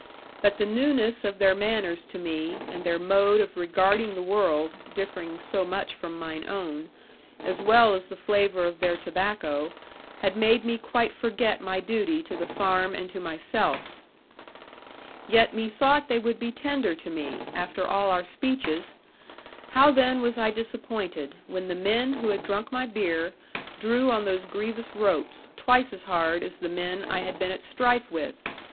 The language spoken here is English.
But the newness of their manners to me, and their mode of regarding the world (differing so much from mine own), as well as the flavour of their tobacco, had made me quite forget my duty to the farm and to myself. Yet methought they would be tender to me, after all our speeches: how then was I disappointed, when the men who had drunk my beer, drew on those grievous ropes, twice as hard as the men I had been at strife with!